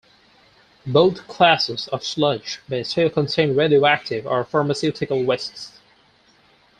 Both classes of sludge may still contain radioactive or pharmaceutical wastes.